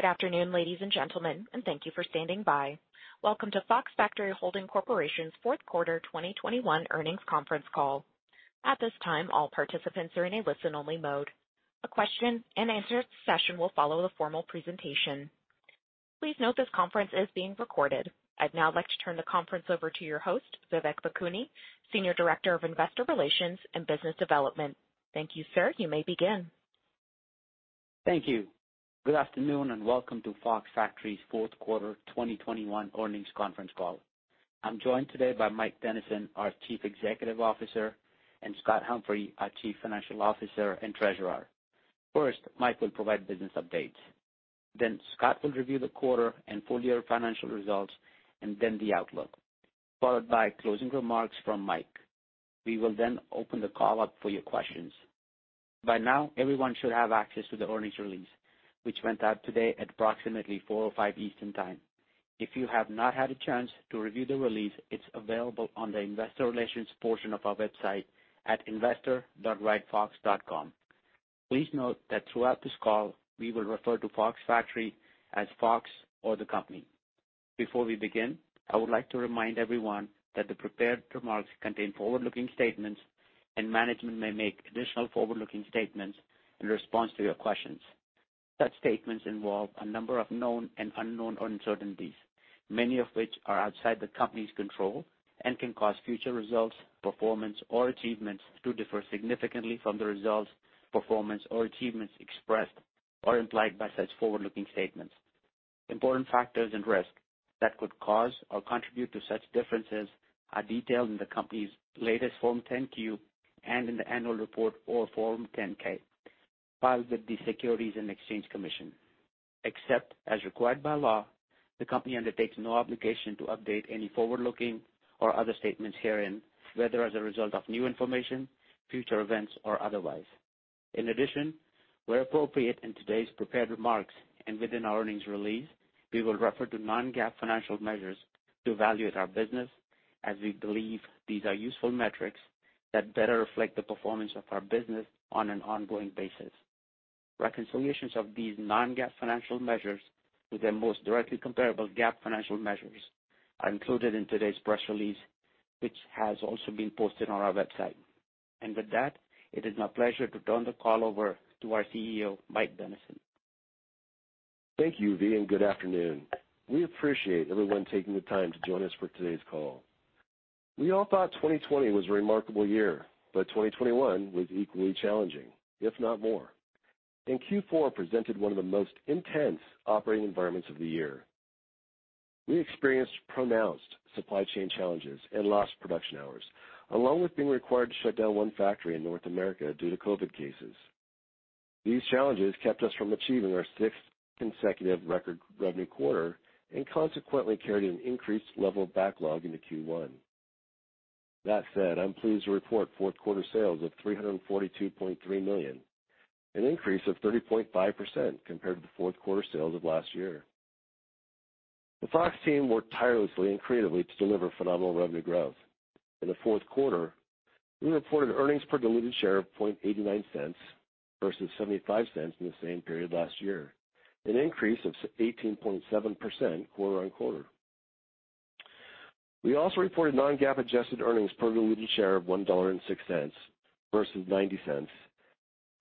Good afternoon, Ladies and Gentlemen, and thank you for standing by. Welcome to Fox Factory Holding Corp.'s Fourth Quarter 2021 Earnings Conference Call. At this time, all participants are in a listen-only mode. A question-and-answer session will follow the formal presentation. Please note this conference is being recorded. I'd now like to turn the conference over to your host, Vivek Bhakuni, Senior Director of Investor Relations and Business Development. Thank you, sir. You may begin. Thank you. Good afternoon, and welcome to Fox Factory's fourth quarter 2021 earnings conference call. I'm joined today by Mike Dennison, our Chief Executive Officer, and Scott Humphrey, our Chief Financial Officer and Treasurer. First, Mike will provide business updates. Then Scott will review the quarter and full year financial results and then the outlook, followed by closing remarks from Mike. We will then open the call up for your questions. By now, everyone should have access to the earnings release, which went out today at approximately 4:05 P.M. Eastern Time. If you have not had a chance to review the release, it's available on the investor relations portion of our website at investor.ridefox.com. Please note that throughout this call, we will refer to Fox Factory as Fox or the company. Before we begin, I would like to remind everyone that the prepared remarks contain forward-looking statements, and management may make additional forward-looking statements in response to your questions. Such statements involve a number of known and unknown uncertainties, many of which are outside the company's control and can cause future results, performance or achievements to differ significantly from the results, performance or achievements expressed or implied by such forward-looking statements. Important factors and risks that could cause or contribute to such differences are detailed in the company's latest Form 10-Q and in the annual report or Form 10-K filed with the Securities and Exchange Commission. Except as required by law, the company undertakes no obligation to update any forward-looking or other statements herein, whether as a result of new information, future events or otherwise. In addition, where appropriate in today's prepared remarks and within our earnings release, we will refer to non-GAAP financial measures to evaluate our business as we believe these are useful metrics that better reflect the performance of our business on an ongoing basis. Reconciliations of these non-GAAP financial measures to their most directly comparable GAAP financial measures are included in today's press release, which has also been posted on our website. With that, it is my pleasure to turn the call over to our CEO, Mike Dennison. Thank you, V, and good afternoon. We appreciate everyone taking the time to join us for today's call. We all thought 2020 was a remarkable year, but 2021 was equally challenging, if not more, and Q4 presented one of the most intense operating environments of the year. We experienced pronounced supply chain challenges and lost production hours, along with being required to shut down one factory in North America due to COVID cases. These challenges kept us from achieving our sixth consecutive record revenue quarter and consequently carried an increased level of backlog into Q1. That said, I'm pleased to report fourth quarter sales of $342.3 million, an increase of 30.5% compared to the fourth quarter sales of last year. The Fox team worked tirelessly and creatively to deliver phenomenal revenue growth. In the fourth quarter, we reported earnings per diluted share of $0.89 versus $0.75 in the same period last year, an increase of 18.7% quarter-over-quarter. We also reported non-GAAP adjusted earnings per diluted share of $1.06 versus $0.90,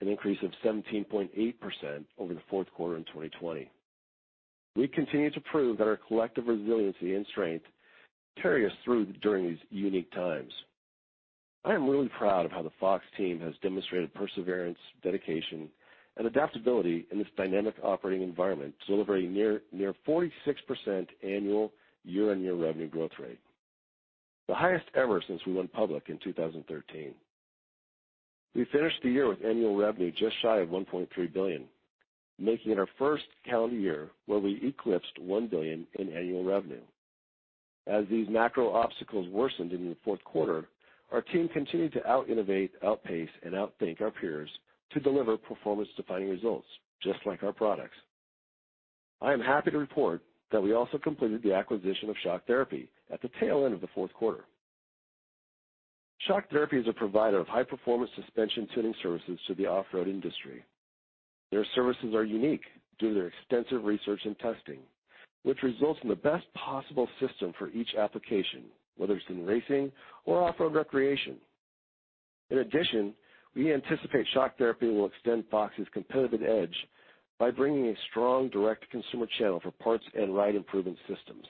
an increase of 17.8% over the fourth quarter in 2020. We continue to prove that our collective resiliency and strength carry us through during these unique times. I am really proud of how the Fox team has demonstrated perseverance, dedication, and adaptability in this dynamic operating environment, delivering near 46% annual year-over-year revenue growth rate, the highest ever since we went public in 2013. We finished the year with annual revenue just shy of $1.3 billion, making it our first calendar year where we eclipsed $1 billion in annual revenue. As these macro obstacles worsened in the fourth quarter, our team continued to out-innovate, outpace, and outthink our peers to deliver performance-defining results, just like our products. I am happy to report that we also completed the acquisition of Shock Therapy at the tail end of the fourth quarter. Shock Therapy is a provider of high-performance suspension tuning services to the off-road industry. Their services are unique due to their extensive research and testing, which results in the best possible system for each application, whether it's in racing or off-road recreation. In addition, we anticipate Shock Therapy will extend Fox's competitive edge by bringing a strong direct-to-consumer channel for parts and ride improvement systems.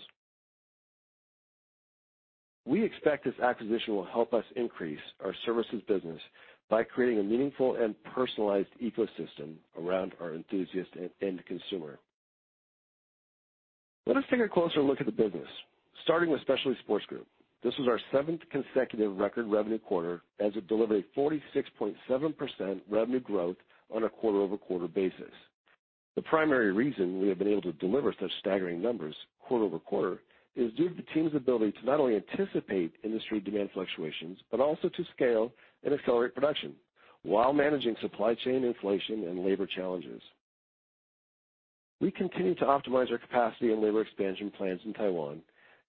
We expect this acquisition will help us increase our services business by creating a meaningful and personalized ecosystem around our enthusiast and end consumer. Let us take a closer look at the business, starting with Specialty Sports Group. This was our seventh consecutive record revenue quarter as it delivered 46.7% revenue growth on a quarter-over-quarter basis. The primary reason we have been able to deliver such staggering numbers quarter-over-quarter is due to the team's ability to not only anticipate industry demand fluctuations but also to scale and accelerate production while managing supply chain inflation and labor challenges. We continue to optimize our capacity and labor expansion plans in Taiwan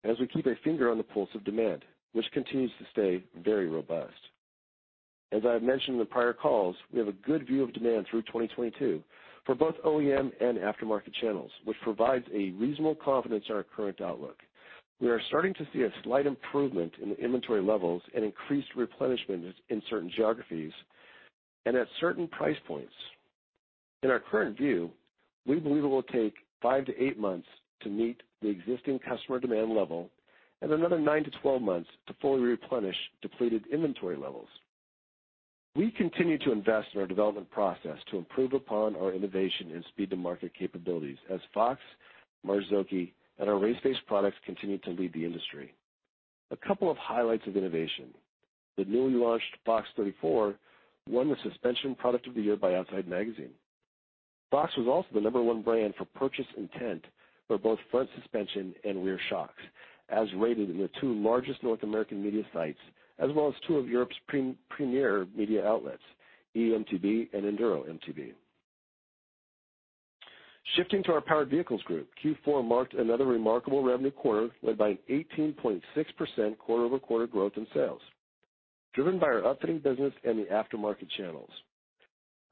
as we keep a finger on the pulse of demand, which continues to stay very robust. As I have mentioned in the prior calls, we have a good view of demand through 2022 for both OEM and aftermarket channels, which provides a reasonable confidence in our current outlook. We are starting to see a slight improvement in the inventory levels and increased replenishment in certain geographies and at certain price points. In our current view, we believe it will take five to eight months to meet the existing customer demand level and another nine to 12 months to fully replenish depleted inventory levels. We continue to invest in our development process to improve upon our innovation and speed to market capabilities as Fox, Marzocchi, and our Race Face products continue to lead the industry. A couple of highlights of innovation. The newly launched Fox 34 won the Suspension Product of the Year by Outside Magazine. Fox was also the number one brand for purchase intent for both front suspension and rear shocks, as rated in the two largest North American media sites as well as two of Europe's premier media outlets, eMTB and ENDURO MTB. Shifting to our Powered Vehicles Group, Q4 marked another remarkable revenue quarter led by an 18.6% quarter-over-quarter growth in sales, driven by our upfitting business and the aftermarket channels.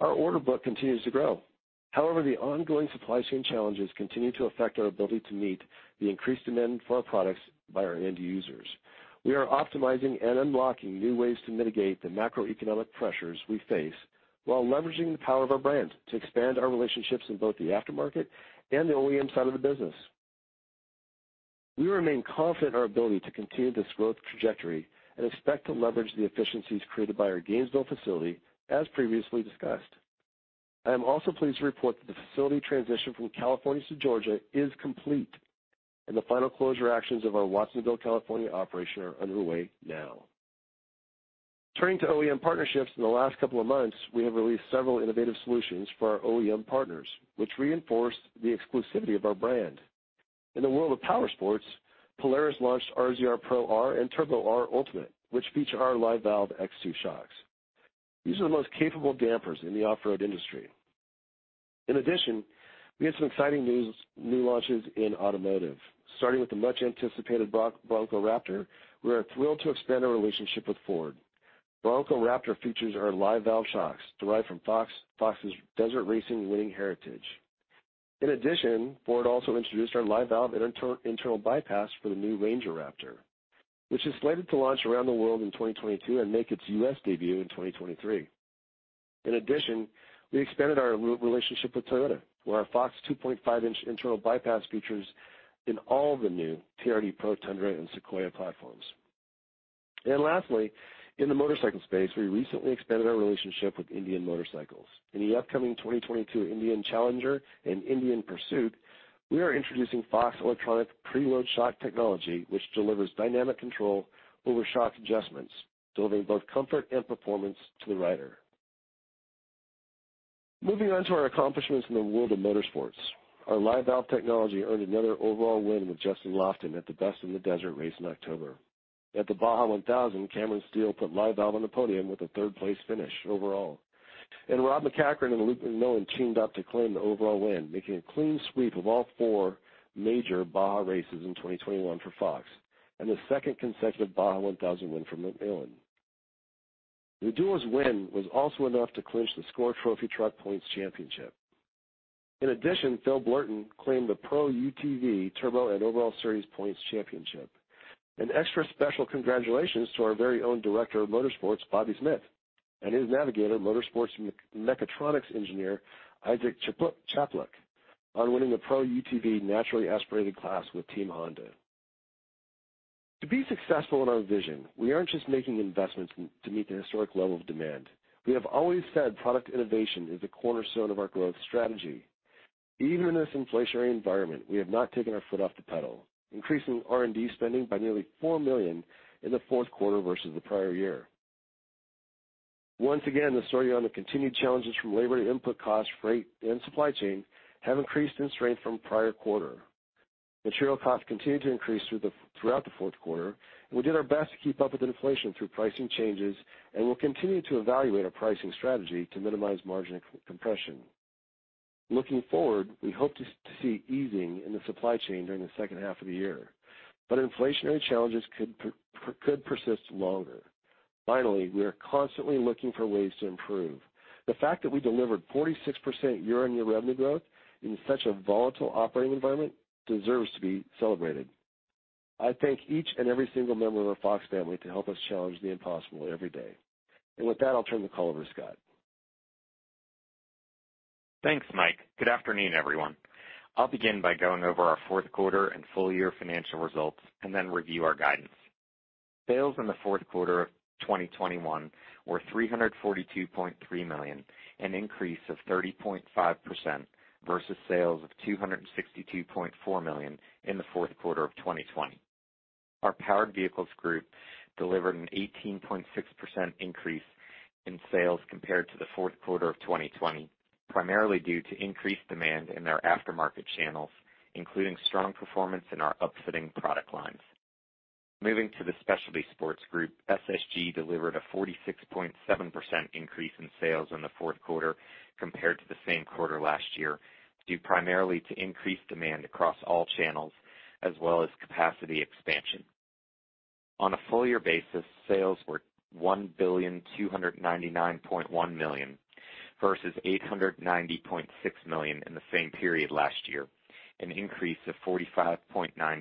Our order book continues to grow. However, the ongoing supply chain challenges continue to affect our ability to meet the increased demand for our products by our end users. We are optimizing and unblocking new ways to mitigate the macroeconomic pressures we face while leveraging the power of our brands to expand our relationships in both the aftermarket and the OEM side of the business. We remain confident in our ability to continue this growth trajectory and expect to leverage the efficiencies created by our Gainesville facility, as previously discussed. I am also pleased to report that the facility transition from California to Georgia is complete, and the final closure actions of our Watsonville, California, operation are underway now. Turning to OEM partnerships, in the last couple of months, we have released several innovative solutions for our OEM partners, which reinforce the exclusivity of our brand. In the world of Powersports, Polaris launched RZR Pro R and Turbo R Ultimate, which feature our Live Valve X2 shocks. These are the most capable dampers in the off-road industry. In addition, we had some exciting news, new launches in automotive. Starting with the much-anticipated Bronco Raptor, we are thrilled to expand our relationship with Ford. Bronco Raptor features our Live Valve shocks derived from Fox's desert racing winning heritage. In addition, Ford also introduced our Live Valve internal bypass for the new Ranger Raptor, which is slated to launch around the world in 2022 and make its U.S. debut in 2023. In addition, we expanded our relationship with Toyota, where our Fox 2.5-inch internal bypass features in all the new TRD Pro Tundra and Sequoia platforms. Lastly, in the motorcycle space, we recently expanded our relationship with Indian Motorcycle. In the upcoming 2022 Indian Challenger and Indian Pursuit, we are introducing Fox electronic preload shock technology, which delivers dynamic control over shock adjustments, delivering both comfort and performance to the rider. Moving on to our accomplishments in the world of motorsports. Our Live Valve technology earned another overall win with Justin Lofton at the Best In The Desert race in October. At the Baja 1000, Cameron Steele put Live Valve on the podium with a third-place finish overall. Rob MacCachren and Luke McMillin teamed up to claim the overall win, making a clean sweep of all four major Baja races in 2021 for Fox and the second consecutive Baja 1000 win for McMillin. The duo's win was also enough to clinch the SCORE Trophy Truck Points Championship. In addition, Phil Blurton claimed the Pro UTV Turbo and Overall Series Points Championship. An extra special congratulations to our very own Director of Motorsports, Bobby Smith, and his navigator, Motorsports Mechatronics Engineer, Isaac Chapluk, on winning the Pro UTV Naturally Aspirated class with Team Honda. To be successful in our vision, we aren't just making investments to meet the historic level of demand. We have always said product innovation is a cornerstone of our growth strategy. Even in this inflationary environment, we have not taken our foot off the pedal, increasing R&D spending by nearly $4 million in the fourth quarter versus the prior year. Once again, the story on the continued challenges from labor to input costs, freight, and supply chain has increased in strength from prior quarter. Material costs continued to increase throughout the fourth quarter, and we did our best to keep up with inflation through pricing changes and will continue to evaluate our pricing strategy to minimize margin compression. Looking forward, we hope to see easing in the supply chain during the second half of the year, but inflationary challenges could persist longer. Finally, we are constantly looking for ways to improve. The fact that we delivered 46% year-on-year revenue growth in such a volatile operating environment deserves to be celebrated. I thank each and every single member of our Fox family to help us challenge the impossible every day. With that, I'll turn the call over to Scott. Thanks Mike. Good afternoon, everyone. I'll begin by going over our fourth quarter and full-year financial results and then review our guidance. Sales in the fourth quarter of 2021 were $342.3 million, an increase of 30.5% versus sales of $262.4 million in the fourth quarter of 2020. Our Powered Vehicles Group delivered an 18.6% increase in sales compared to the fourth quarter of 2020, primarily due to increased demand in their aftermarket channels, including strong performance in our upfitting product lines. Moving to the Specialty Sports Group, SSG delivered a 46.7% increase in sales in the fourth quarter compared to the same quarter last year, due primarily to increased demand across all channels as well as capacity expansion. On a full-year basis, sales were $1,299.1 million versus $890.6 million in the same period last year, an increase of 45.9%.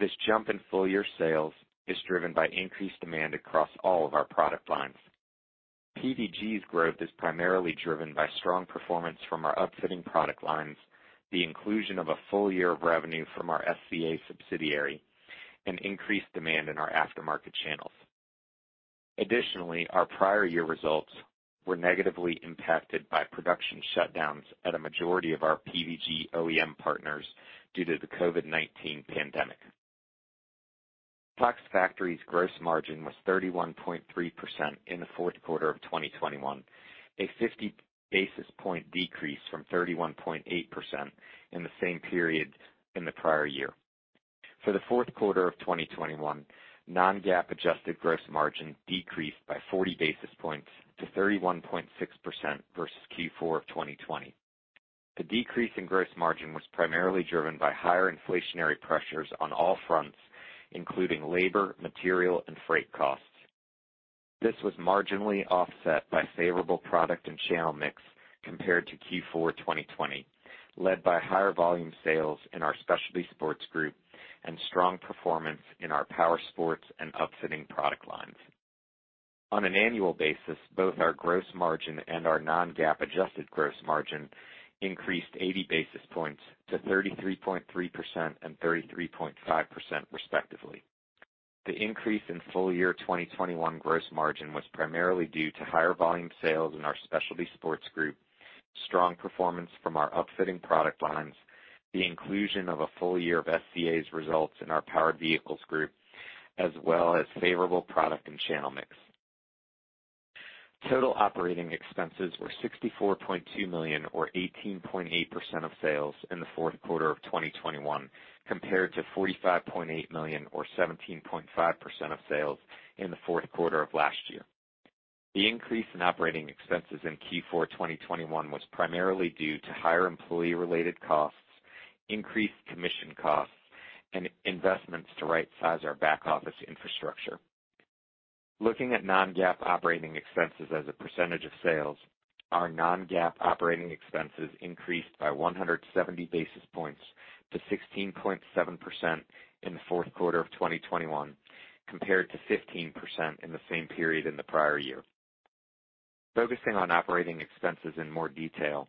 This jump in full-year sales is driven by increased demand across all of our product lines. PVG's growth is primarily driven by strong performance from our upfitting product lines, the inclusion of a full year of revenue from our SCA subsidiary, and increased demand in our aftermarket channels. Additionally, our prior year results were negatively impacted by production shutdowns at a majority of our PVG OEM partners due to the COVID-19 pandemic. Fox Factory's gross margin was 31.3% in the fourth quarter of 2021, a 50 basis point decrease from 31.8% in the same period in the prior year. For the fourth quarter of 2021, non-GAAP adjusted gross margin decreased by 40 basis points to 31.6% versus Q4 of 2020. The decrease in gross margin was primarily driven by higher inflationary pressures on all fronts, including labor, material, and freight costs. This was marginally offset by favorable product and channel mix compared to Q4 2020, led by higher volume sales in our Specialty Sports Group and strong performance in our power sports and upfitting product lines. On an annual basis, both our gross margin and our non-GAAP adjusted gross margin increased 80 basis points to 33.3% and 33.5%, respectively. The increase in full year 2021 gross margin was primarily due to higher volume sales in our Specialty Sports Group, strong performance from our upfitting product lines, the inclusion of a full year of SCA's results in our Powered Vehicles Group, as well as favorable product and channel mix. Total operating expenses were $64.2 million or 18.8% of sales in the fourth quarter of 2021, compared to $45.8 million or 17.5% of sales in the fourth quarter of last year. The increase in operating expenses in Q4 2021 was primarily due to higher employee-related costs, increased commission costs, and investments to rightsize our back office infrastructure. Looking at non-GAAP operating expenses as a percentage of sales, our non-GAAP operating expenses increased by 170 basis points to 16.7% in the fourth quarter of 2021, compared to 15% in the same period in the prior year. Focusing on operating expenses in more detail,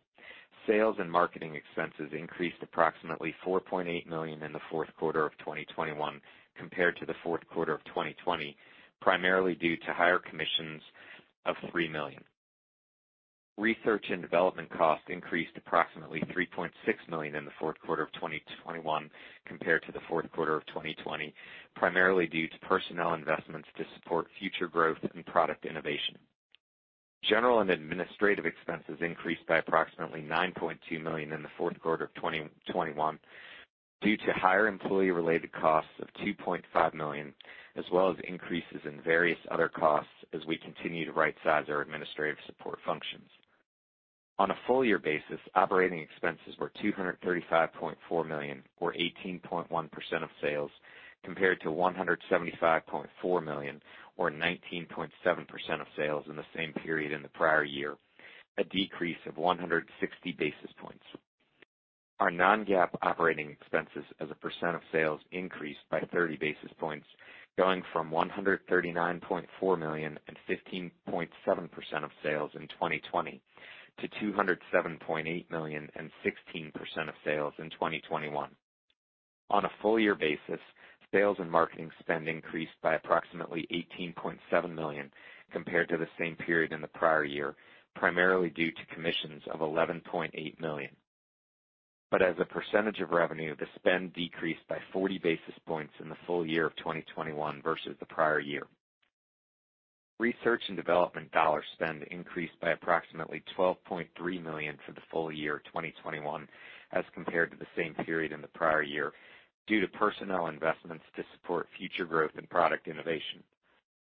sales and marketing expenses increased approximately $4.8 million in the fourth quarter of 2021 compared to the fourth quarter of 2020, primarily due to higher commissions of $3 million. Research and development costs increased approximately $3.6 million in the fourth quarter of 2021 compared to the fourth quarter of 2020, primarily due to personnel investments to support future growth and product innovation. General and administrative expenses increased by approximately $9.2 million in the fourth quarter of 2021 due to higher employee-related costs of $2.5 million, as well as increases in various other costs as we continue to rightsize our administrative support functions. On a full year basis, operating expenses were $235.4 million or 18.1% of sales, compared to $175.4 million or 19.7% of sales in the same period in the prior year, a decrease of 160 basis points. Our non-GAAP operating expenses as a percent of sales increased by 30 basis points, going from $139.4 million and 15.7% of sales in 2020 to $207.8 million and 16% of sales in 2021. On a full year basis, sales and marketing spend increased by approximately $18.7 million compared to the same period in the prior year, primarily due to commissions of $11.8 million. As a percentage of revenue, the spend decreased by 40 basis points in the full year of 2021 versus the prior year. Research and development dollar spend increased by approximately $12.3 million for the full year of 2021 as compared to the same period in the prior year, due to personnel investments to support future growth and product innovation.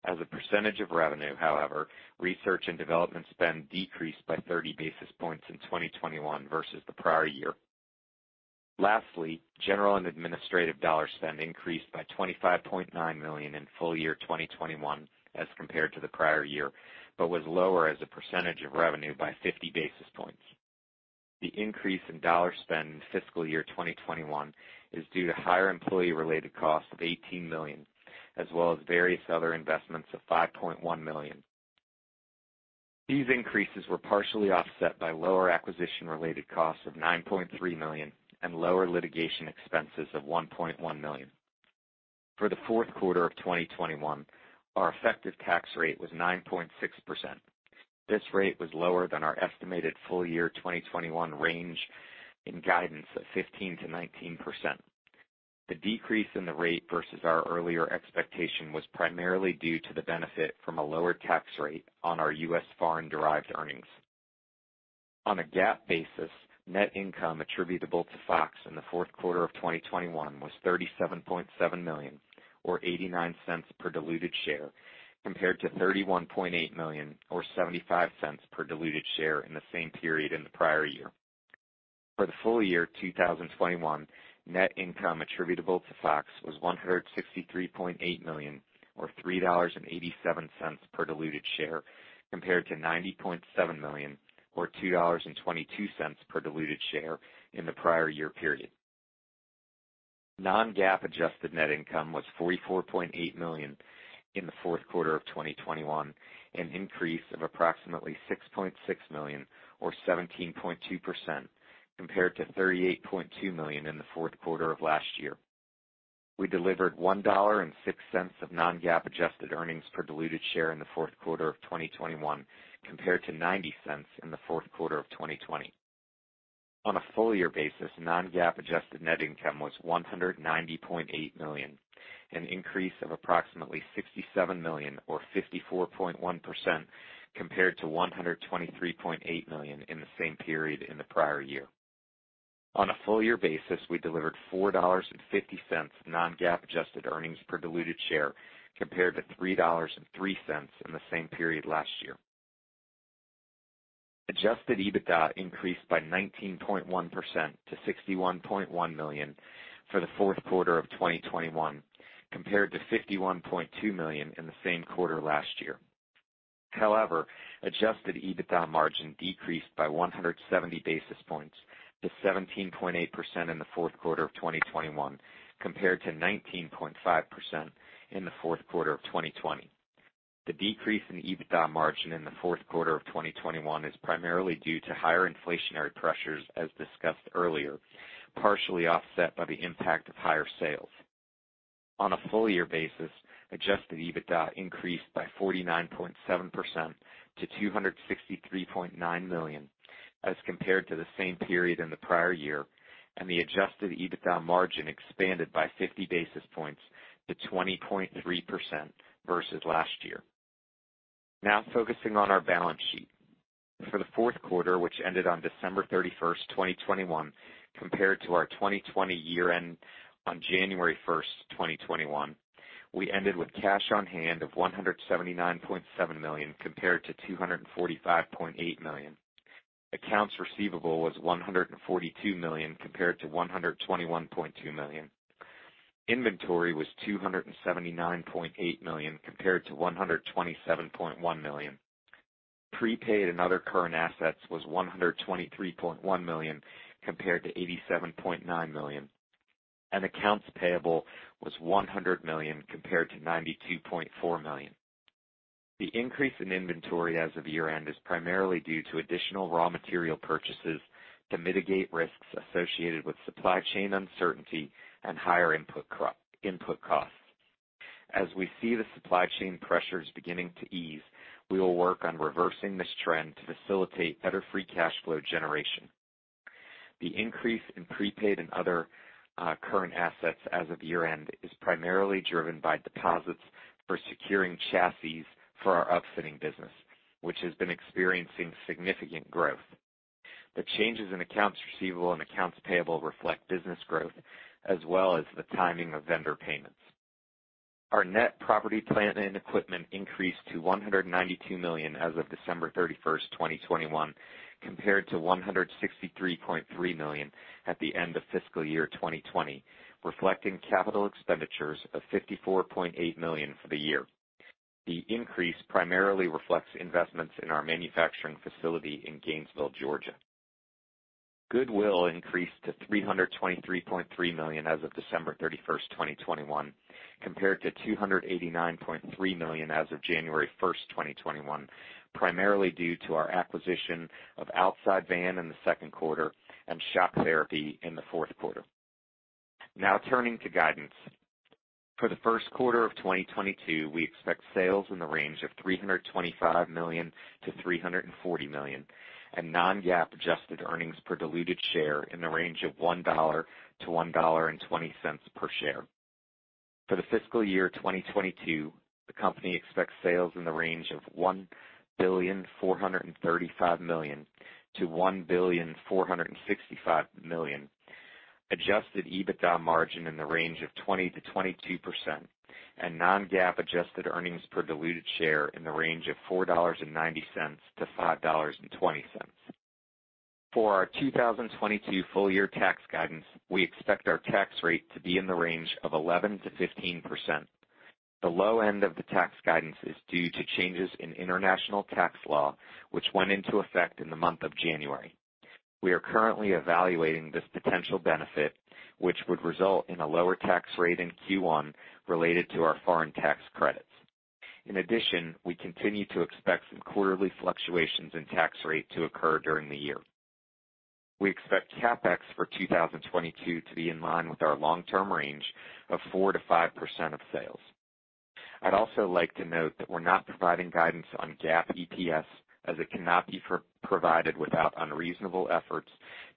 As a percentage of revenue, however, research and development spend decreased by 30 basis points in 2021 versus the prior year. Lastly, general and administrative dollar spend increased by $25.9 million in full year 2021 as compared to the prior year, but was lower as a percentage of revenue by 50 basis points. The increase in dollar spend in fiscal year 2021 is due to higher employee-related costs of $18 million as well as various other investments of $5.1 million. These increases were partially offset by lower acquisition-related costs of $9.3 million and lower litigation expenses of $1.1 million. For the fourth quarter of 2021, our effective tax rate was 9.6%. This rate was lower than our estimated full year 2021 range in guidance of 15%-19%. The decrease in the rate versus our earlier expectation was primarily due to the benefit from a lower tax rate on our U.S. foreign-derived earnings. On a GAAP basis, net income attributable to Fox in the fourth quarter of 2021 was $37.7 million or $0.89 per diluted share, compared to $31.8 million or $0.75 per diluted share in the same period in the prior year. For the full year 2021, net income attributable to Fox was $163.8 million or $3.87 per diluted share compared to $90.7 million or $2.22 per diluted share in the prior year period. Non-GAAP adjusted net income was $44.8 million in the fourth quarter of 2021, an increase of approximately $6.6 million or 17.2% compared to $38.2 million in the fourth quarter of last year. We delivered $1.06 of non-GAAP adjusted earnings per diluted share in the fourth quarter of 2021 compared to $0.90 in the fourth quarter of 2020. On a full year basis, non-GAAP adjusted net income was $190.8 million, an increase of approximately $67 million or 54.1% compared to $123.8 million in the same period in the prior year. On a full year basis, we delivered $4.50 non-GAAP adjusted earnings per diluted share compared to $3.03 in the same period last year. Adjusted EBITDA increased by 19.1% to $61.1 million for the fourth quarter of 2021 compared to $51.2 million in the same quarter last year. However, adjusted EBITDA margin decreased by 170 basis points to 17.8% in the fourth quarter of 2021 compared to 19.5% in the fourth quarter of 2020. The decrease in EBITDA margin in the fourth quarter of 2021 is primarily due to higher inflationary pressures as discussed earlier, partially offset by the impact of higher sales. On a full year basis, adjusted EBITDA increased by 49.7% to $263.9 million as compared to the same period in the prior year, and the adjusted EBITDA margin expanded by 50 basis points to 20.3% versus last year. Now focusing on our balance sheet. For the fourth quarter, which ended on December 31st, 2021, compared to our 2020 year-end on January 1st, 2021, we ended with cash on hand of $179.7 million compared to $245.8 million. Accounts receivable was $142 million compared to $121.2 million. Inventory was $279.8 million compared to $127.1 million. Prepaid and other current assets was $123.1 million compared to $87.9 million. Accounts payable was $100 million compared to $92.4 million. The increase in inventory as of year-end is primarily due to additional raw material purchases to mitigate risks associated with supply chain uncertainty and higher input costs. As we see the supply chain pressures beginning to ease, we will work on reversing this trend to facilitate better free cash flow generation. The increase in prepaid and other current assets as of year-end is primarily driven by deposits for securing chassis for our upfitting business, which has been experiencing significant growth. The changes in accounts receivable and accounts payable reflect business growth as well as the timing of vendor payments. Our net property, plant, and equipment increased to $192 million as of December 31st, 2021, compared to $163.3 million at the end of fiscal year 2020, reflecting capital expenditures of $54.8 million for the year. The increase primarily reflects investments in our manufacturing facility in Gainesville, Georgia. Goodwill increased to $323.3 million as of December 31st, 2021, compared to $289.3 million as of January 1st, 2021, primarily due to our acquisition of Outside Van in the second quarter and Shock Therapy in the fourth quarter. Now turning to guidance. For the first quarter of 2022, we expect sales in the range of $325 million-$340 million, and non-GAAP adjusted earnings per diluted share in the range of $1.00-$1.20 per share. For the fiscal year 2022, the company expects sales in the range of $1.435 billion-$1.465 billion, adjusted EBITDA margin in the range of 20%-22% and non-GAAP adjusted earnings per diluted share in the range of $4.90-$5.20. For our 2022 full year tax guidance, we expect our tax rate to be in the range of 11%-15%. The low end of the tax guidance is due to changes in international tax law, which went into effect in the month of January. We are currently evaluating this potential benefit, which would result in a lower tax rate in Q1 related to our foreign tax credits. In addition, we continue to expect some quarterly fluctuations in tax rate to occur during the year. We expect CapEx for 2022 to be in line with our long-term range of 4%-5% of sales. I'd also like to note that we're not providing guidance on GAAP EPS as it cannot be provided without unreasonable efforts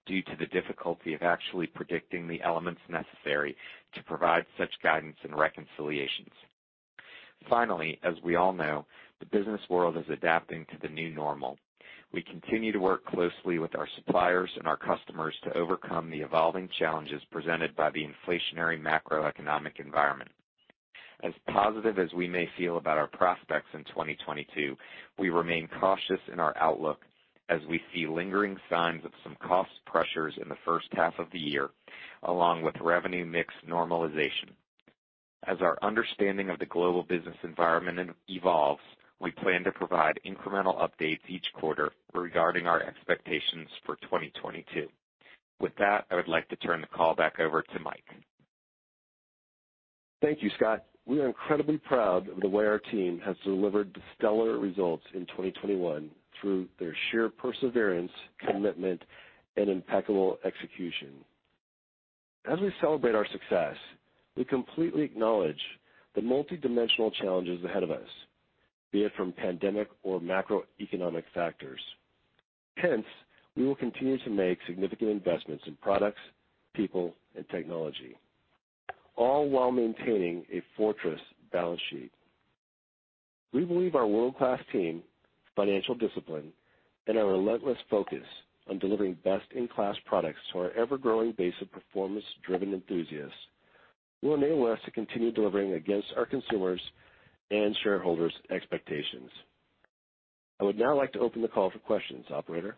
due to the difficulty of actually predicting the elements necessary to provide such guidance and reconciliations. Finally, as we all know, the business world is adapting to the new normal. We continue to work closely with our suppliers and our customers to overcome the evolving challenges presented by the inflationary macroeconomic environment. As positive as we may feel about our prospects in 2022, we remain cautious in our outlook as we see lingering signs of some cost pressures in the first half of the year, along with revenue mix normalization. As our understanding of the global business environment evolves, we plan to provide incremental updates each quarter regarding our expectations for 2022. With that, I would like to turn the call back over to Mike. Thank you, Scott. We are incredibly proud of the way our team has delivered the stellar results in 2021 through their sheer perseverance, commitment and impeccable execution. As we celebrate our success, we completely acknowledge the multidimensional challenges ahead of us, be it from pandemic or macroeconomic factors. Hence, we will continue to make significant investments in products, people and technology, all while maintaining a fortress balance sheet. We believe our world-class team, financial discipline, and our relentless focus on delivering best in class products to our ever-growing base of performance driven enthusiasts will enable us to continue delivering against our consumers and shareholders expectations. I would now like to open the call for questions. Operator?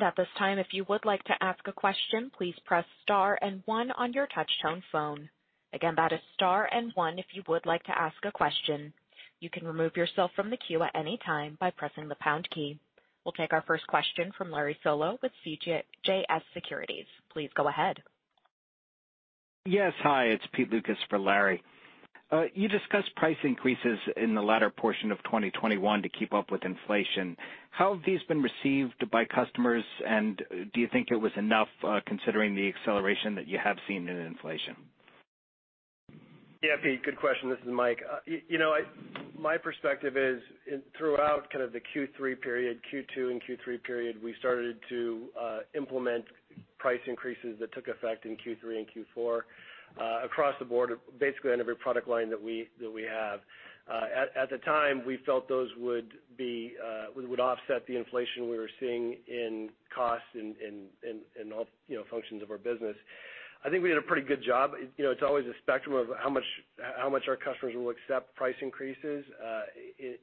At this time, if you would like to ask a question, please press star and one on your touch-tone phone. Again, that is star and one if you would like to ask a question. You can remove yourself from the queue at any time by pressing the pound key. We'll take our first question from Larry Solow with CJS Securities. Please go ahead. Yes. Hi, it's Pete Lucas for Larry. You discussed price increases in the latter portion of 2021 to keep up with inflation. How have these been received by customers, and do you think it was enough, considering the acceleration that you have seen in inflation? Yeah, Pete, good question. This is Mike. You know, my perspective is throughout kind of the Q3 period, Q2 and Q3 period, we started to implement price increases that took effect in Q3 and Q4, across the board, basically on every product line that we have. At the time, we felt those would offset the inflation we were seeing in costs in all functions of our business. I think we did a pretty good job. It's always a spectrum of how much our customers will accept price increases.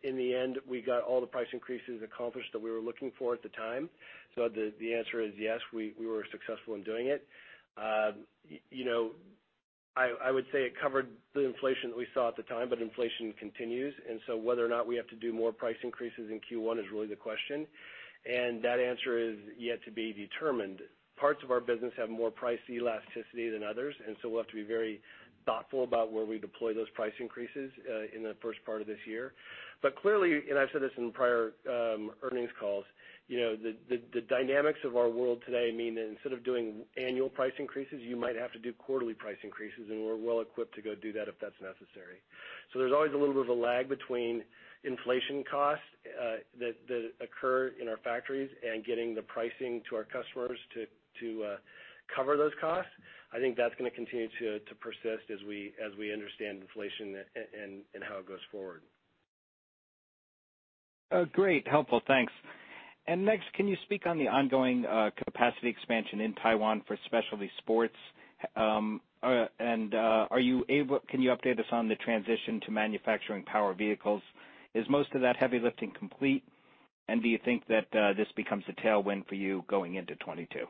In the end, we got all the price increases accomplished that we were looking for at the time. The answer is yes, we were successful in doing it. You know, I would say it covered the inflation that we saw at the time, but inflation continues. Whether or not we have to do more price increases in Q1 is really the question, and that answer is yet to be determined. Parts of our business have more price elasticity than others, and so we'll have to be very thoughtful about where we deploy those price increases in the first part of this year. Clearly, and I've said this in prior earnings calls, the dynamics of our world today mean that instead of doing annual price increases, you might have to do quarterly price increases. We're well equipped to go do that if that's necessary. There's always a little bit of a lag between inflation costs that occur in our factories and getting the pricing to our customers to cover those costs. I think that's gonna continue to persist as we understand inflation and how it goes forward. Great. Helpful. Thanks. Next, can you speak on the ongoing capacity expansion in Taiwan for Specialty Sports? Can you update us on the transition to manufacturing Powered Vehicles? Is most of that heavy lifting complete and do you think that this becomes a tailwind for you going into 2022?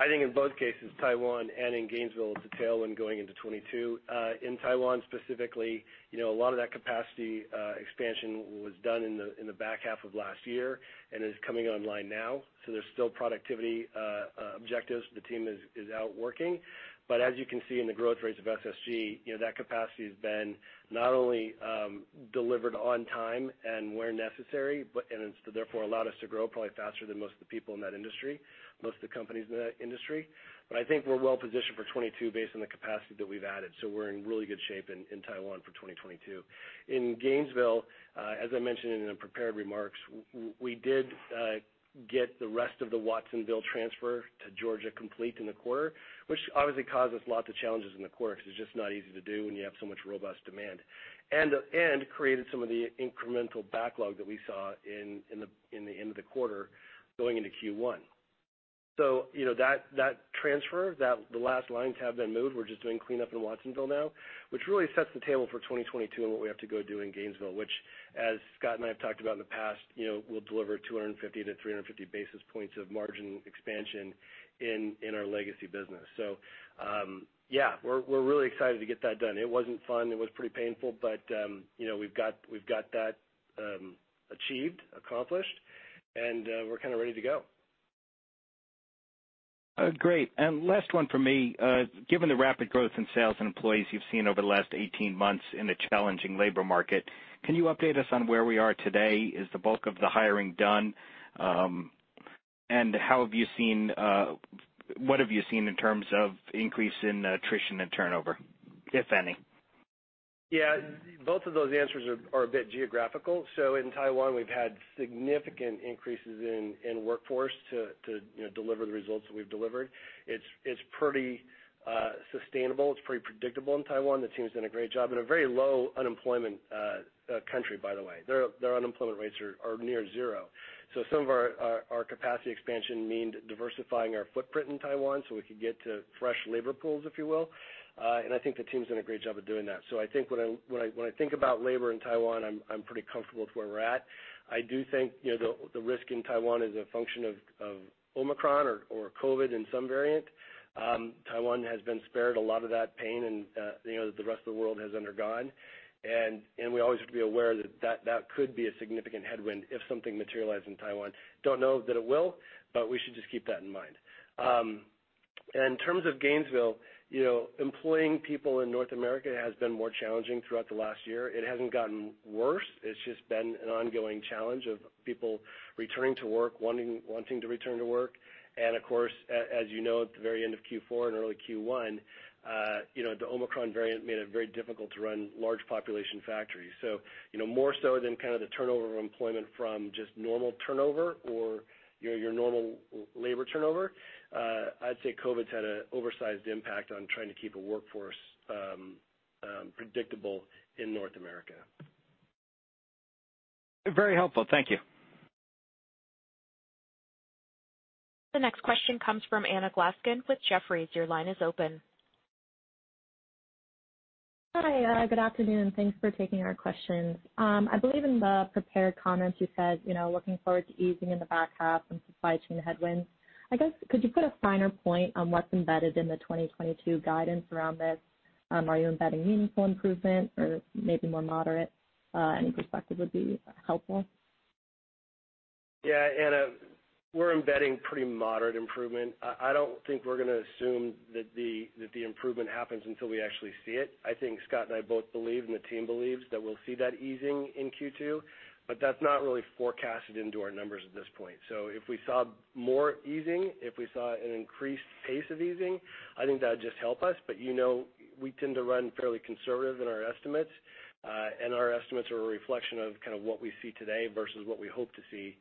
I think in both cases, Taiwan and in Gainesville, it's a tailwind going into 2022. In Taiwan specifically, a lot of that capacity expansion was done in the back half of last year and is coming online now. There's still productivity objectives the team is out working. As you can see in the growth rates of SSG, that capacity has been not only delivered on time and where necessary, but and it's therefore allowed us to grow probably faster than most of the people in that industry, most of the companies in that industry. I think we're well positioned for 2022 based on the capacity that we've added. We're in really good shape in Taiwan for 2022. In Gainesville, as I mentioned in the prepared remarks, we did get the rest of the Watsonville transfer to Georgia complete in the quarter, which obviously caused us lots of challenges in the quarter because it's just not easy to do when you have so much robust demand, created some of the incremental backlog that we saw in the end of the quarter going into Q1. That transfer, the last line to have been moved, we're just doing cleanup in Watsonville now, which really sets the table for 2022 and what we have to go do in Gainesville, which as Scott and I have talked about in the past, will deliver 250-350 basis points of margin expansion in our legacy business. Yeah, we're really excited to get that done. It wasn't fun. It was pretty painful, but we've got that accomplished, and we're kind of ready to go. Great. Last one for me. Given the rapid growth in sales and employees you've seen over the last 18 months in a challenging labor market, can you update us on where we are today? Is the bulk of the hiring done? What have you seen in terms of increase in attrition and turnover, if any? Yeah, both of those answers are a bit geographical. In Taiwan, we've had significant increases in workforce to you know, deliver the results that we've delivered. It's pretty sustainable. It's pretty predictable in Taiwan. The team's done a great job in a very low unemployment country, by the way. Their unemployment rates are near zero. Some of our capacity expansion means diversifying our footprint in Taiwan so we can get to fresh labor pools, if you will. I think the team's done a great job of doing that. I think when I think about labor in Taiwan, I'm pretty comfortable with where we're at. I do think you know, the risk in Taiwan is a function of Omicron or COVID in some variant. Taiwan has been spared a lot of that pain and, you know, that the rest of the world has undergone. We always have to be aware that that could be a significant headwind if something materialized in Taiwan. Don't know that it will, but we should just keep that in mind. In terms of Gainesville, you know, employing people in North America has been more challenging throughout the last year. It hasn't gotten worse. It's just been an ongoing challenge of people returning to work, wanting to return to work. Of course, as you know, at the very end of Q4 and early Q1, you know, the Omicron variant made it very difficult to run large population factories. You know, more so than kind of the turnover of employment from just normal turnover or, you know, your normal labor turnover, I'd say COVID's had an oversized impact on trying to keep a workforce predictable in North America. Very helpful. Thank you. The next question comes from Anna Glaessgen with Jefferies. Your line is open. Hi. Good afternoon. Thanks for taking our questions. I believe in the prepared comments you said, you know, looking forward to easing in the back half from supply chain headwinds. I guess could you put a finer point on what's embedded in the 2022 guidance around this? Are you embedding meaningful improvement or maybe more moderate, any perspective would be helpful. Yeah Anna, we're embedding pretty moderate improvement. I don't think we're gonna assume that the improvement happens until we actually see it. I think Scott and I both believe, and the team believes, that we'll see that easing in Q2, but that's not really forecasted into our numbers at this point. If we saw more easing, if we saw an increased pace of easing, I think that would just help us. You know, we tend to run fairly conservative in our estimates, and our estimates are a reflection of kind of what we see today versus what we hope to see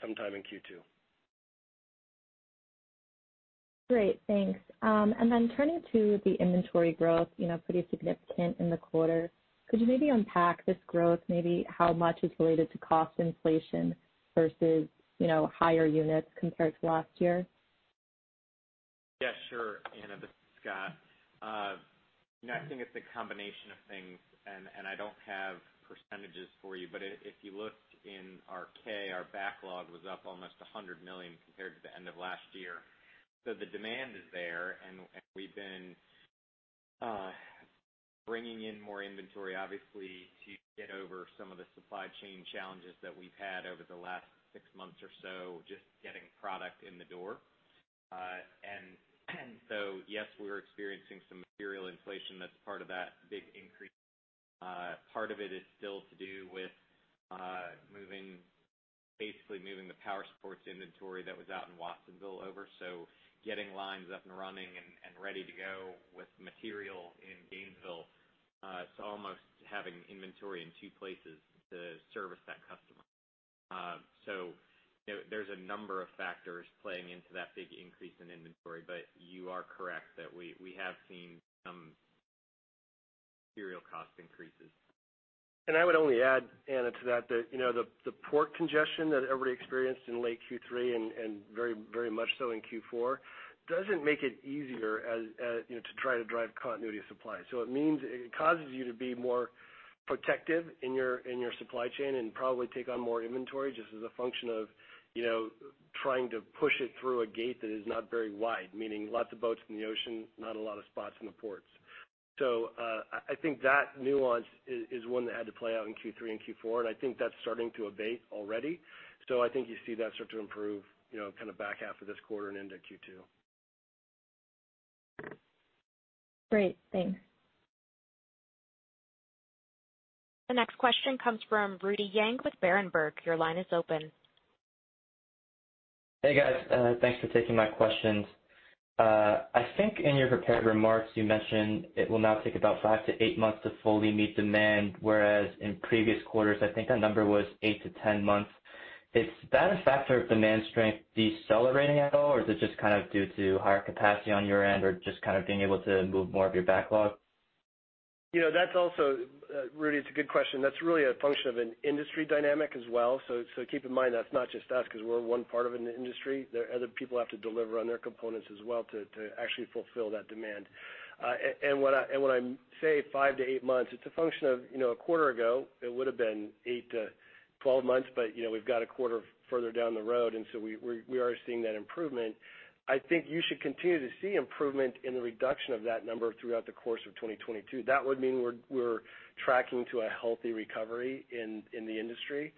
sometime in Q2. Great, thanks. Turning to the inventory growth, you know, pretty significant in the quarter. Could you maybe unpack this growth, maybe how much is related to cost inflation versus, you know, higher units compared to last year? Yeah, sure, Anna. This is Scott. You know, I think it's a combination of things, and I don't have percentages for you, but if you looked in our 10-K, our backlog was up almost $100 million compared to the end of last year. The demand is there, and we've been bringing in more inventory, obviously, to get over some of the supply chain challenges that we've had over the last six months or so, just getting product in the door. Yes, we're experiencing some material inflation that's part of that big increase. Part of it is still to do with moving, basically moving the Powersports inventory that was out in Watsonville over. Getting lines up and running and ready to go with material in Gainesville, it's almost having inventory in two places to service that customer. You know, there's a number of factors playing into that big increase in inventory, but you are correct that we have seen some material cost increases. I would only add, Anna, to that you know, the port congestion that everybody experienced in late Q3 and very much so in Q4 doesn't make it easier as you know, to try to drive continuity of supply. So it means it causes you to be more protective in your supply chain and probably take on more inventory just as a function of you know, trying to push it through a gate that is not very wide, meaning lots of boats in the ocean, not a lot of spots in the ports. So I think that nuance is one that had to play out in Q3 and Q4, and I think that's starting to abate already. So I think you see that start to improve you know, kind of back half of this quarter and into Q2. Great. Thanks. The next question comes from Rudy Yang with Berenberg. Your line is open. Hey, guys. Thanks for taking my questions. I think in your prepared remarks you mentioned it will now take about five to eight months to fully meet demand, whereas in previous quarters I think that number was eight to 10 months. Is that a factor of demand strength decelerating at all, or is it just kind of due to higher capacity on your end or just kind of being able to move more of your backlog? You know, that's also, Rudy, it's a good question. That's really a function of an industry dynamic as well. Keep in mind that's not just us because we're one part of an industry. There are other people have to deliver on their components as well to actually fulfill that demand. When I say five to eight months, it's a function of, you know, a quarter ago it would have been eight to 12 months, but, you know, we've got a quarter further down the road, and so we are seeing that improvement. I think you should continue to see improvement in the reduction of that number throughout the course of 2022. That would mean we're tracking to a healthy recovery in the industry.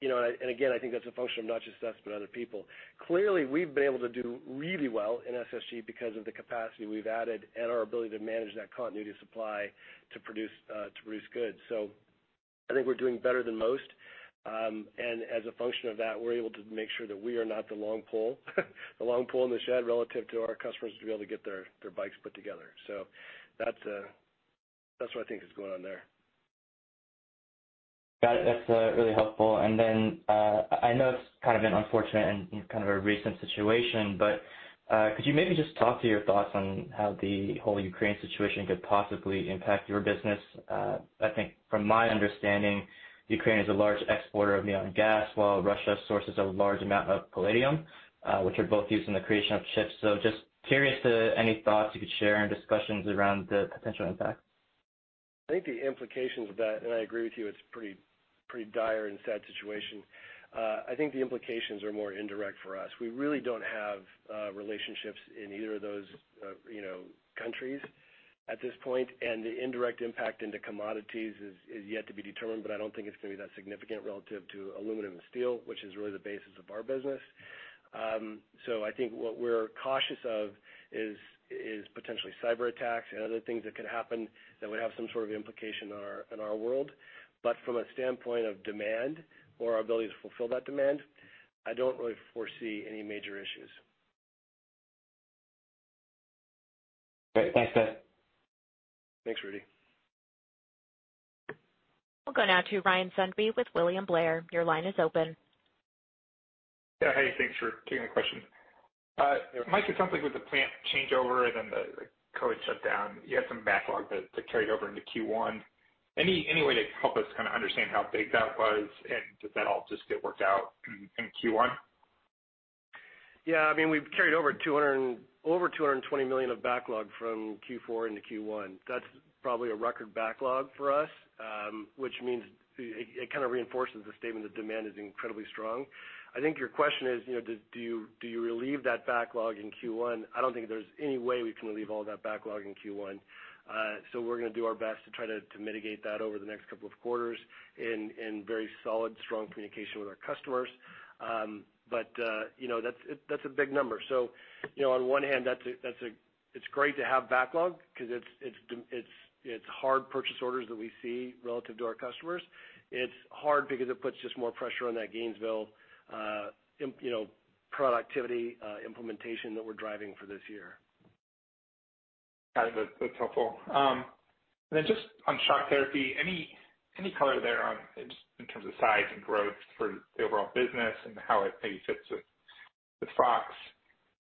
You know, and again, I think that's a function of not just us, but other people. Clearly, we've been able to do really well in SSG because of the capacity we've added and our ability to manage that continuity of supply to produce goods. I think we're doing better than most. As a function of that, we're able to make sure that we are not the long pole in the tent relative to our customers to be able to get their bikes put together. That's what I think is going on there. Got it. That's really helpful. I know it's kind of an unfortunate and kind of a recent situation, but could you maybe just talk to your thoughts on how the whole Ukraine situation could possibly impact your business? I think from my understanding, Ukraine is a large exporter of neon gas, while Russia sources a large amount of palladium, which are both used in the creation of chips. Just curious to any thoughts you could share in discussions around the potential impact. I think the implications of that, and I agree with you, it's pretty dire and sad situation. I think the implications are more indirect for us. We really don't have relationships in either of those, you know, countries at this point, and the indirect impact into commodities is yet to be determined, but I don't think it's gonna be that significant relative to aluminum and steel, which is really the basis of our business. I think what we're cautious of is potentially cyber attacks and other things that could happen that would have some sort of implication in our world. From a standpoint of demand or our ability to fulfill that demand, I don't really foresee any major issues. Great. Thanks, Mike. Thanks, Rudy. We'll go now to Ryan Sundby with William Blair. Your line is open. Yeah. Hey, thanks for taking the question. Mike, it sounds like with the plant changeover and then the COVID shutdown, you had some backlog that carried over into Q1. Any way to help us kinda understand how big that was, and did that all just get worked out in Q1? Yeah. I mean, we've carried over $220 million of backlog from Q4 into Q1. That's probably a record backlog for us, which means it kinda reinforces the statement that demand is incredibly strong. I think your question is, you know, do you relieve that backlog in Q1? I don't think there's any way we can relieve all that backlog in Q1. We're gonna do our best to try to mitigate that over the next couple of quarters in very solid, strong communication with our customers. You know, that's a big number. You know, on one hand that's great to have backlog 'cause it's hard purchase orders that we see relative to our customers. It's hard because it puts just more pressure on that Gainesville, you know, productivity, implementation that we're driving for this year. Got it. That, that's helpful. And then just on Shock Therapy, any color there on just in terms of size and growth for the overall business and how it maybe fits with Fox.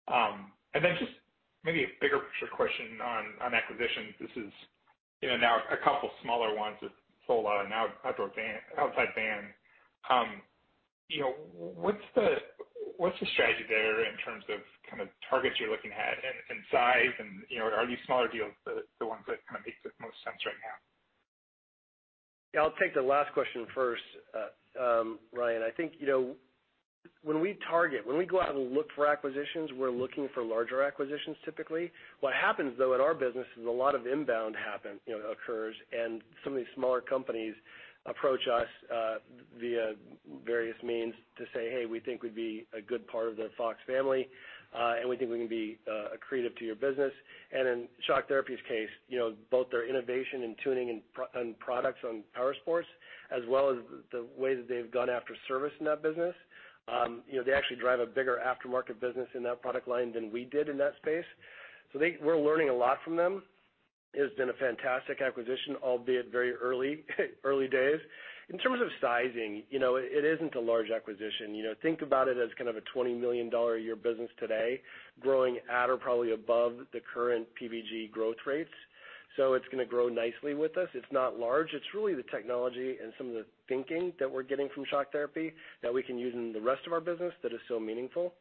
And then just maybe a bigger picture question on acquisitions. This is, you know, now a couple smaller ones with SOLA and Outside Van. You know, what's the strategy there in terms of kind of targets you're looking at and size and, you know, are these smaller deals the ones that kinda makes the most sense right now? Yeah. I'll take the last question first, Ryan. I think, you know, when we go out and look for acquisitions, we're looking for larger acquisitions typically. What happens though in our business is a lot of inbound happen, you know, occurs, and some of these smaller companies approach us via various means to say, "Hey, we think we'd be a good part of the Fox family, and we think we can be accretive to your business." In Shock Therapy's case, you know, both their innovation in tuning and on products on Powersports, as well as the way that they've gone after service in that business, you know, they actually drive a bigger aftermarket business in that product line than we did in that space. We're learning a lot from them. It has been a fantastic acquisition, albeit very early days. In terms of sizing, you know, it isn't a large acquisition. You know, think about it as kind of a $20 million a year business today, growing at or probably above the current PVG growth rates. It's gonna grow nicely with us. It's not large. It's really the technology and some of the thinking that we're getting from Shock Therapy that we can use in the rest of our business that is so meaningful.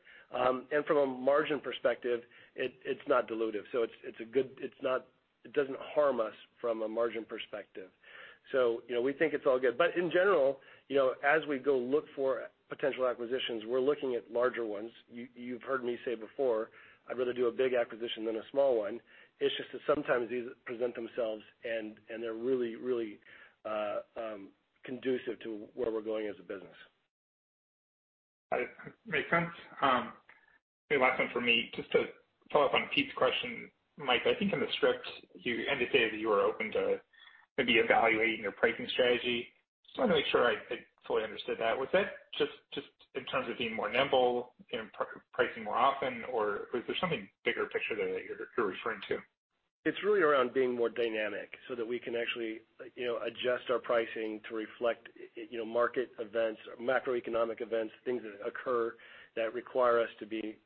From a margin perspective, it's not dilutive, so it doesn't harm us from a margin perspective. You know, we think it's all good. In general, you know, as we go look for potential acquisitions, we're looking at larger ones. You've heard me say before, I'd rather do a big acquisition than a small one. It's just that sometimes these present themselves and they're really conducive to where we're going as a business. Got it. Makes sense. Okay, last one from me. Just to follow up on Pete's question, Mike, I think in the script you indicated that you were open to maybe evaluating your pricing strategy. Just wanted to make sure I fully understood that. Was that just in terms of being more nimble, you know, pricing more often, or was there something bigger picture there that you're referring to? It's really around being more dynamic so that we can actually, you know, adjust our pricing to reflect, you know, market events or macroeconomic events, things that occur that require us to be,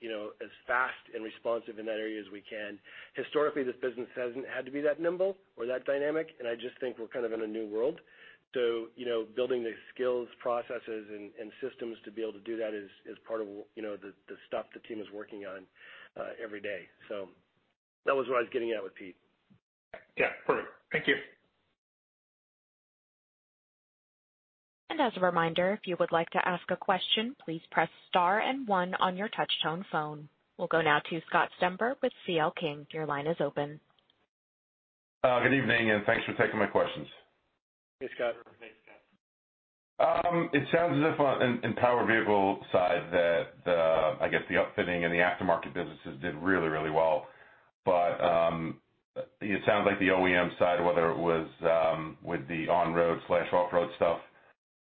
you know, as fast and responsive in that area as we can. Historically, this business hasn't had to be that nimble or that dynamic, and I just think we're kind of in a new world. You know, building the skills, processes, and systems to be able to do that is part of, you know, the stuff the team is working on every day. That was what I was getting at with Pete. Yeah. Perfect. Thank you. As a reminder, if you would like to ask a question, please press star and one on your touch-tone phone. We'll go now to Scott Stember with C.L. King. Your line is open. Good evening, and thanks for taking my questions. Hey, Scott. It sounds as if on the Powered Vehicle side that, I guess, the upfitting and the aftermarket businesses did really, really well. But it sounds like the OEM side, whether it was with the on-road slash off-road stuff,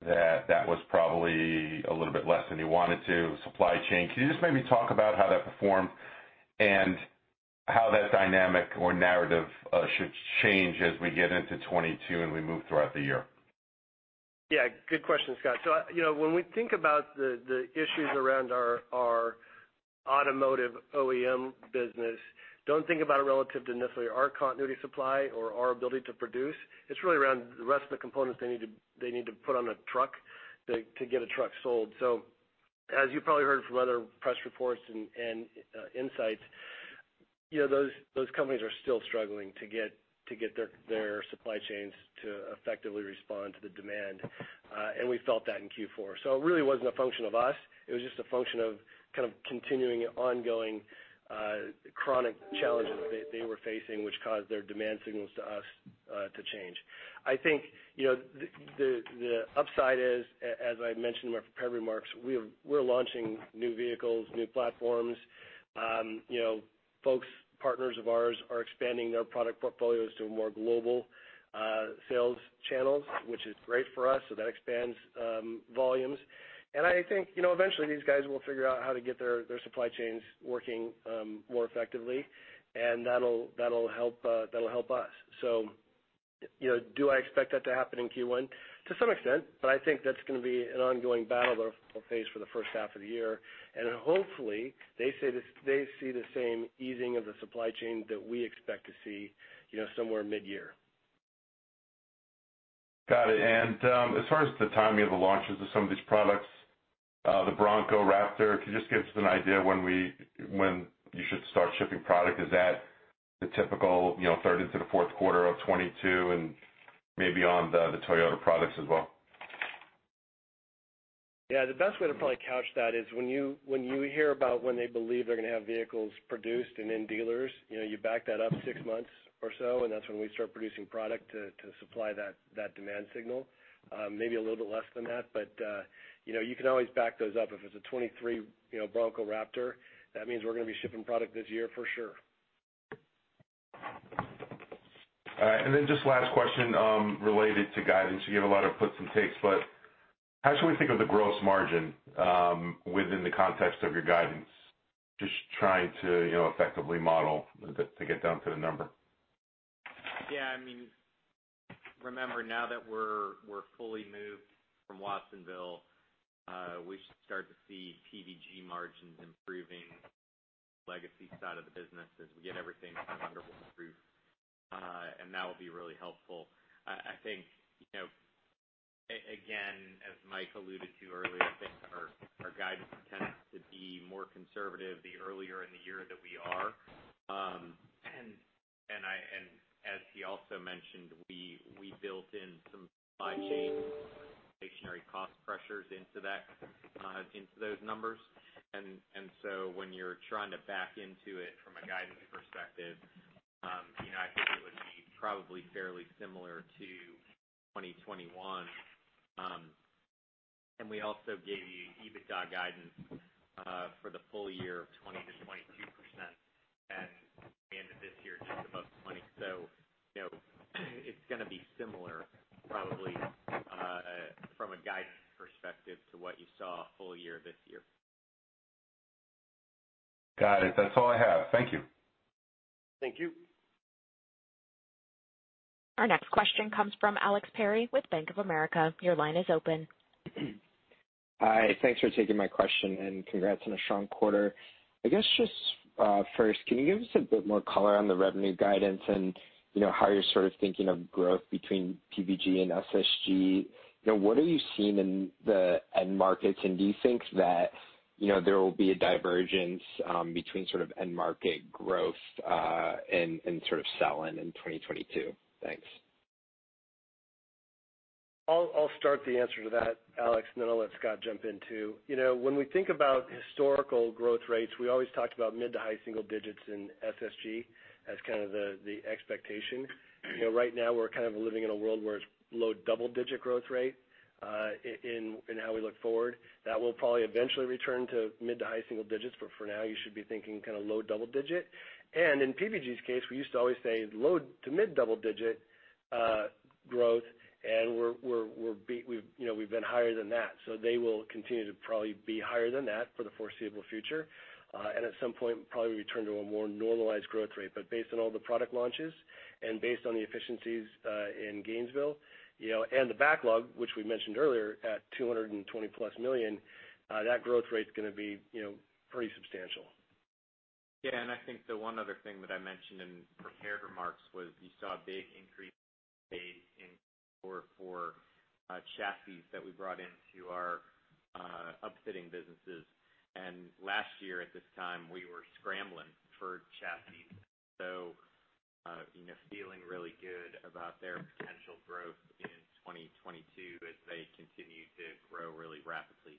that was probably a little bit less than you want it to, supply chain. Can you just maybe talk about how that performed and how that dynamic or narrative should change as we get into 2022 and we move throughout the year? Yeah, good question, Scott. You know, when we think about the issues around our automotive OEM business, don't think about it relative to necessarily our continuous supply or our ability to produce. It's really around the rest of the components they need to put on a truck to get a truck sold. As you probably heard from other press reports and insights, you know, those companies are still struggling to get their supply chains to effectively respond to the demand. And we felt that in Q4. It really wasn't a function of us, it was just a function of kind of continuing ongoing chronic challenges they were facing, which caused their demand signals to us to change. I think, you know, the upside is, as I mentioned in my prepared remarks, we're launching new vehicles, new platforms. You know, folks, partners of ours are expanding their product portfolios to a more global sales channels, which is great for us. That expands volumes. I think, you know, eventually these guys will figure out how to get their supply chains working more effectively, and that'll help us. You know, do I expect that to happen in Q1? To some extent, but I think that's gonna be an ongoing battle that we'll face for the first half of the year. Hopefully they see the same easing of the supply chain that we expect to see, you know, somewhere midyear. Got it. As far as the timing of the launches of some of these products, the Bronco Raptor, can you just give us an idea when you should start shipping product? Is that the typical, you know, third into the fourth quarter of 2022 and maybe on the Toyota products as well? Yeah. The best way to probably couch that is when you hear about when they believe they're gonna have vehicles produced and in dealers, you know, you back that up six months or so, and that's when we start producing product to supply that demand signal. Maybe a little bit less than that, but, you know, you can always back those up. If it's a 2023, you know, Bronco Raptor, that means we're gonna be shipping product this year for sure. All right. Just last question related to guidance. You get a lot of puts and takes, but how should we think of the gross margin within the context of your guidance? Just trying to, you know, effectively model to get down to the number. Yeah, I mean, remember now that we're fully moved from Watsonville, we should start to see PVG margins improving legacy side of the business as we get everything at Gainesville to improve. That will be really helpful. I think, you know, again, as Mike alluded to earlier, I think our guidance tends to be more conservative the earlier in the year that we are. As he also mentioned, we built in some supply chain inflationary cost pressures into that, into those numbers. When you're trying to back into it from a guidance perspective, you know, I think it would be probably fairly similar to 2021. We also gave you EBITDA guidance for the full year of 20%-22%, and we ended this year just above 20%. You know, it's gonna be similar probably, from a guidance perspective to what you saw full year this year. Got it. That's all I have. Thank you. Thank you. Our next question comes from Alex Perry with Bank of America. Your line is open. Hi. Thanks for taking my question, and congrats on a strong quarter. I guess just first, can you give us a bit more color on the revenue guidance and, you know, how you're sort of thinking of growth between PVG and SSG? You know, what are you seeing in the end markets, and do you think that, you know, there will be a divergence between sort of end market growth and sort of sell-in in 2022? Thanks. I'll start the answer to that, Alex, and then I'll let Scott jump in too. You know, when we think about historical growth rates, we always talked about mid- to high-single-digit% in SSG as kind of the expectation. You know, right now we're kind of living in a world where it's low double-digit% growth rate in how we look forward. That will probably eventually return to mid- to high-single-digit%, but for now, you should be thinking kind of low double-digit%. In PVG's case, we used to always say low- to mid-double-digit% growth and we've, you know, been higher than that. They will continue to probably be higher than that for the foreseeable future. At some point probably return to a more normalized growth rate. Based on all the product launches and based on the efficiencies in Gainesville, you know, and the backlog which we mentioned earlier at $220+ million, that growth rate's gonna be, you know, pretty substantial. Yeah. I think the one other thing that I mentioned in prepared remarks was you saw a big increase in chassis that we brought into our upfitting businesses. Last year at this time, we were scrambling for chassis. You know, feeling really good about their potential growth in 2022 as they continue to grow really rapidly.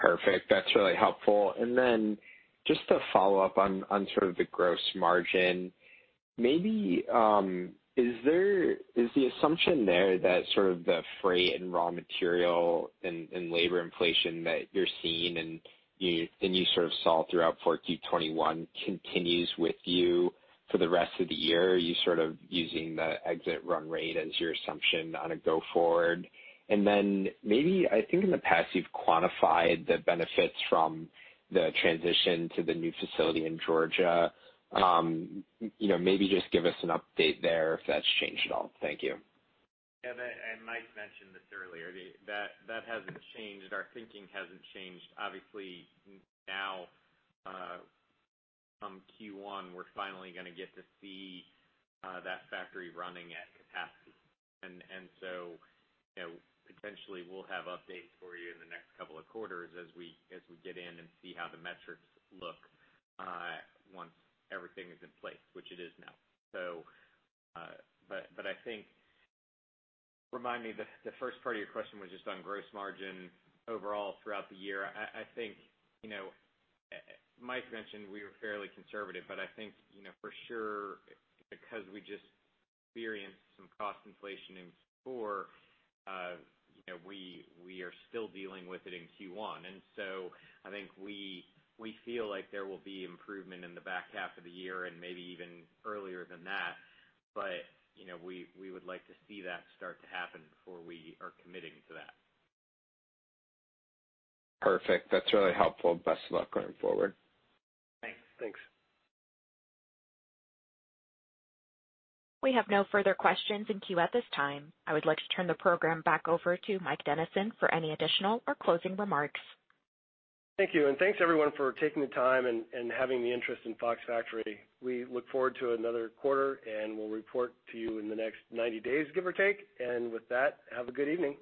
Perfect. That's really helpful. Just to follow up on sort of the gross margin, maybe, is the assumption there that sort of the freight and raw material and labor inflation that you're seeing and you sort of saw throughout 2021 continues with you for the rest of the year? Are you sort of using the exit run rate as your assumption going forward? Maybe I think in the past, you've quantified the benefits from the transition to the new facility in Georgia. Maybe just give us an update there if that's changed at all. Thank you. Yeah, that and Mike mentioned this earlier, that hasn't changed. Our thinking hasn't changed. Obviously now, from Q1, we're finally gonna get to see that factory running at capacity. You know, potentially we'll have updates for you in the next couple of quarters as we get in and see how the metrics look once everything is in place, which it is now. I think. Remind me, the first part of your question was just on gross margin overall throughout the year. I think, you know, Mike mentioned we were fairly conservative, but I think, you know, for sure, because we just experienced some cost inflation in Q4, you know, we are still dealing with it in Q1. I think we feel like there will be improvement in the back half of the year and maybe even earlier than that. You know, we would like to see that start to happen before we are committing to that. Perfect. That's really helpful. Best of luck going forward. Thanks. Thanks. We have no further questions in queue at this time. I would like to turn the program back over to Mike Dennison for any additional or closing remarks. Thank you. Thanks everyone for taking the time and having the interest in Fox Factory. We look forward to another quarter, and we'll report to you in the next 90 days, give or take. With that, have a good evening.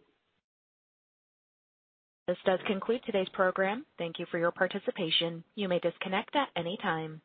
This does conclude today's program. Thank you for your participation. You may disconnect at any time.